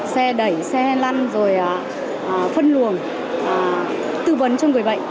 xe đẩy xe lăn rồi phân luồng tư vấn cho người bệnh